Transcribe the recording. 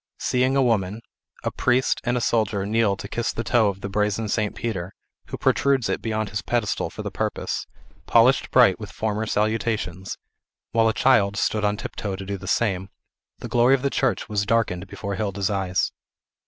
Seeing a woman; a priest, and a soldier kneel to kiss the toe of the brazen St. Peter, who protrudes it beyond his pedestal for the purpose, polished bright with former salutations, while a child stood on tiptoe to do the same, the glory of the church was darkened before Hilda's eyes.